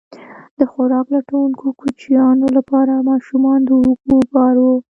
د خوراک لټونکو کوچیانو لپاره ماشومان د اوږو بار وو.